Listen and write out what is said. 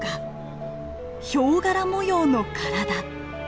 ヒョウ柄模様の体。